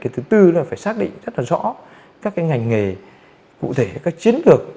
thứ tư là phải xác định rất là rõ các ngành nghề cụ thể các chiến lược